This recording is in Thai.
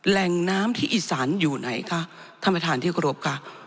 แหล่งน้ำที่อีสานอยู่ไหนคะท่านประธานที่กรบค่ะ